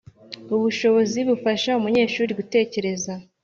ubu bushobozi buzafasha umunyeshuri gutekereza